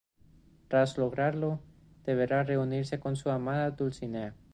Tras lograrlo, deberá reunirse con su amada Dulcinea.